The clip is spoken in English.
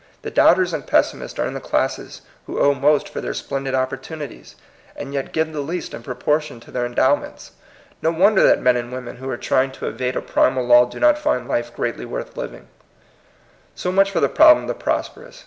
The doubters and pessimists are in the classes who owe most for their splendid opportunities, and yet give the least in pro portion to their endowments. No wonder that men and women who are trying to PROBLEM OF THE PROSPEROUS. 119 evade a primal law do not find life greatly worth living. So much for the problem of the prosper ous.